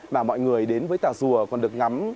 mà mọi người đến với tà rùa còn được ngắm